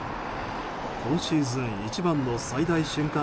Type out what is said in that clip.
今シーズン一番の最大瞬間